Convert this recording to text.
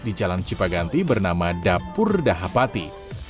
di jalan cipaganti bernama dapur dahapati